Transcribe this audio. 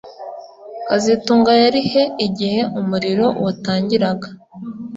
kazitunga yari he igihe umuriro watangiraga